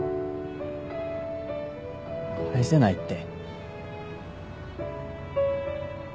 返せないって。